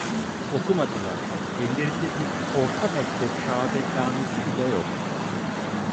Okumadılar, ellerinde bir orta mektep şahadetnamesi bile yok!